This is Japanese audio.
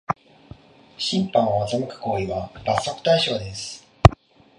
審判を欺く行為は罰則対象です